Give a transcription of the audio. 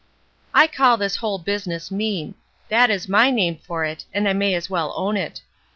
"I call this whole business mean; that is my name for it, and I may as well own it.